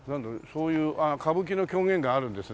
そういう歌舞伎の狂言があるんですね。